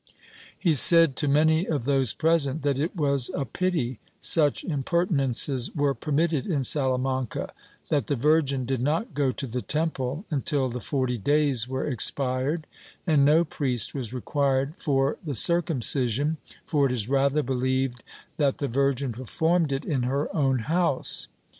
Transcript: He said to many of those present that it was a pity such impertinences were permitted in Salamanca; that the Virgin did not go to the temple until tiie forty days were expired, and no priest was required for the circumcision, for it is rather believed that the Virgin performed it in her own house.